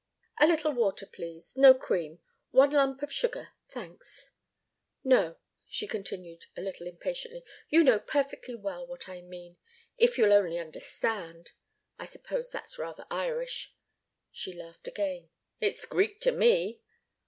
"A little water, please no cream one lump of sugar thanks. No," she continued, a little impatiently, "you know perfectly well what I mean, if you'll only understand. I suppose that's rather Irish " she laughed again. "It's Greek to me!"